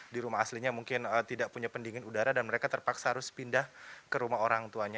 di rumah aslinya mungkin tidak punya pendingin udara dan mereka terpaksa harus pindah ke rumah orang tuanya